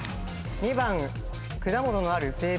２番果物のある静物。